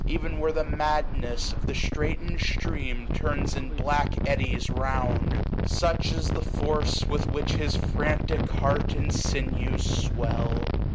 Even where the madnesa of the stiaiten'd stream 815 Turns in black eddies round ; such is the force With which his frantic heart and sinews swell.